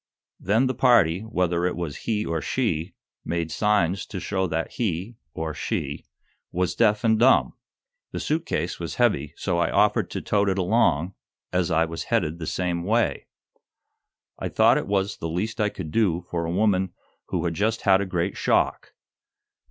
Then the party, whether it was he or she, made signs to show that he, or she, was deaf and dumb. The suit case was heavy, so I offered to tote it along, as I was headed the same way. I thought it was the least I could do for a woman who had just had a great shock.